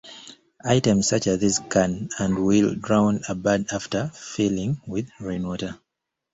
Items such as these can and will drown a bird after filling with rainwater.